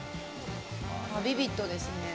ビビッドですね。